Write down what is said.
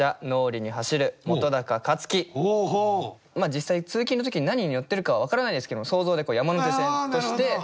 実際通勤の時に何に乗ってるかは分からないですけども想像で山手線として。